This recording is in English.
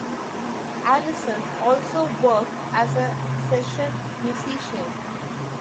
Allison also worked as a session musician.